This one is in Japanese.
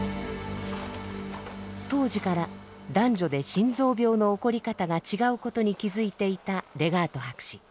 当時から男女で心臓病の起こり方が違うことに気付いていたレガート博士。